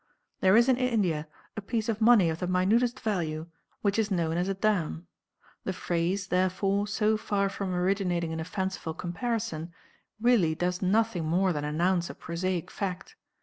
There is in India a piece of money of the minutest value, which is known as a dam. The phrase, therefore, so far from originating in a fanciful comparison, really does nothing more than announce a prosaic fact.